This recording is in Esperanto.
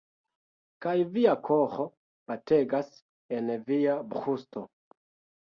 Kaj via koro bategas en via brusto